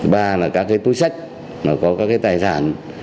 ba là các cái túi sách mà có các cái tài sản